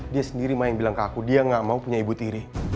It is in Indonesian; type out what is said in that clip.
dia sendiri mah yang bilang ke aku dia gak mau punya ibu tire